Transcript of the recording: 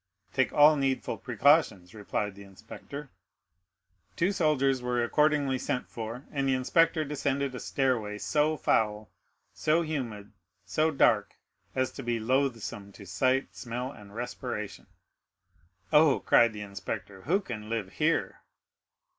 "Take all needful precautions," replied the inspector. Two soldiers were accordingly sent for, and the inspector descended a stairway, so foul, so humid, so dark, as to be loathsome to sight, smell, and respiration. "Oh," cried the inspector, "who can live here?"